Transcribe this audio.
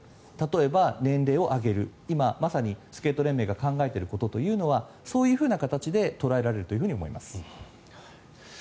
例えば年齢を上げる今、まさにスケート連盟が考えていることというのはそういうふうな形で捉えられると思います。